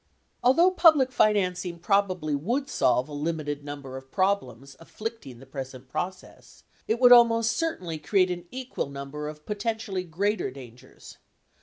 Although public financing probably would solve a limited number of problems afflicting the present process, it would almost certainly create an equal number of potentially greater dangers.